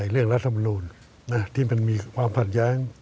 เรื่องรัฐบาลความผ่านแย้ง